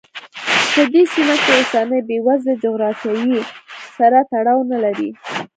په دې سیمه کې اوسنۍ بېوزلي له جغرافیې سره تړاو نه لري.